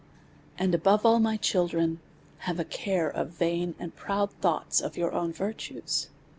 And, above all, my children, have a care of vain and proud thoughts of your own virtues.